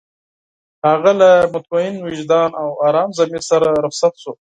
هغه له مطمئن وجدان او ارام ضمير سره رخصت شو.